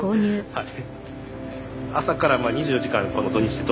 はい。